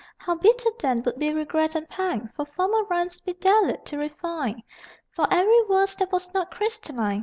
How bitter then would be regret and pang For former rhymes he dallied to refine, For every verse that was not crystalline....